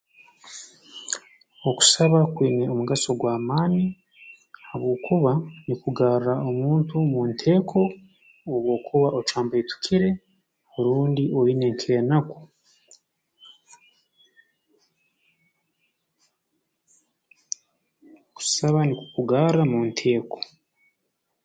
Okusaba kwina omugaso gw'amaani habwokuba nukugarra omuntu mu nteeko obu okuba ocambaitukire rundi oine nk'enaku kusaba nukukugarra mu nteeko